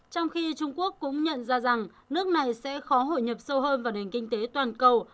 trong khi trung quốc cũng nhận ra rằng nước này sẽ khó hội nhập sâu hơn vào nền kinh tế toàn cầu